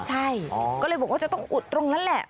ใช่ก็เลยบอกว่าจะต้องอุดตรงนั้นแหละ